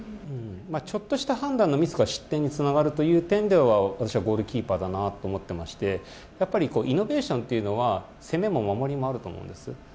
ちょっとした判断のミスが失点につながるという点では私はゴールキーパーだと思っていましてやっぱりイノベーションというのは攻めも守りもあると思うんです。